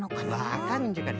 わかるんじゃから。